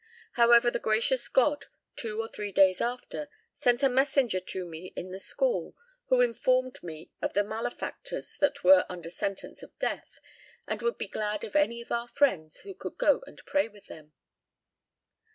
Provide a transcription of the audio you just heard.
However, the gracious God, two or three days after, sent a messenger to me in the school, who informed me of the malefactors that were under sentence of death, and would be glad of any of our friends who could go and pray with them.